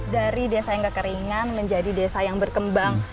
dari desa yang kekeringan menjadi desa yang berkembang